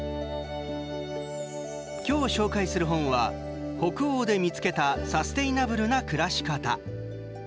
今日紹介する本は「北欧でみつけたサステイナブルな暮らし方」。